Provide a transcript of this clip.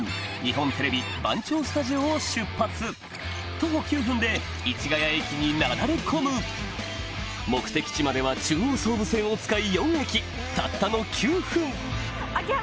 徒歩９分で市ケ谷駅になだれ込む目的地までは中央・総武線を使い